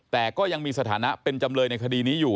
แต่ก็ยังมีสถานะเป็นจำเลยในคดีนี้อยู่